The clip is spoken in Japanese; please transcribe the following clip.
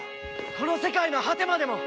この世界の果てまでも！